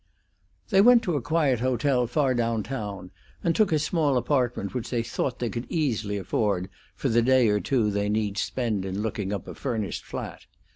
They went to a quiet hotel far down town, and took a small apartment which they thought they could easily afford for the day or two they need spend in looking up a furnished flat.